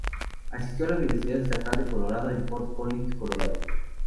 Asistió a la Universidad Estatal de Colorado en Fort Collins, Colorado.